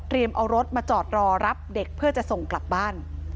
เอารถมาจอดรอรับเด็กเพื่อจะส่งกลับบ้าน